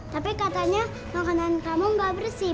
tapi katanya makanan kamu gak bersih